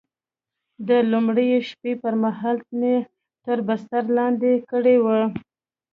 د لومړۍ شپې پر مهال مې تر بستر لاندې کړې وه.